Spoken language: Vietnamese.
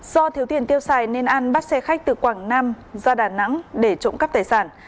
do thiếu tiền tiêu xài nên an bắt xe khách từ quảng nam ra đà nẵng để trộm cắp tài sản